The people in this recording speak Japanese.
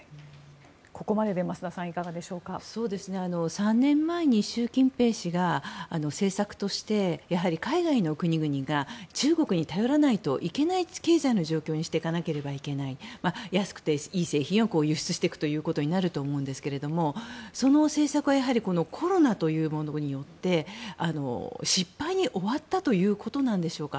ここまでで増田さんいかがでしょうか？３年前に習近平氏が政策としてやはり海外の国々が中国に頼らないといけない経済の状況にしていかなくてはいけない。安くていい製品を輸出していくということになると思うんですけどもその政策がコロナというものによって失敗に終わったということなんでしょうか？